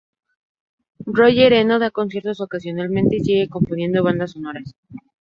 Roger Eno da conciertos ocasionalmente y sigue componiendo bandas sonoras.